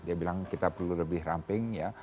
dia bilang kita perlu lebih ramping ya